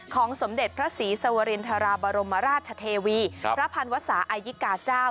สมเด็จพระศรีสวรินทราบรมราชเทวีพระพันวศาอายิกาเจ้า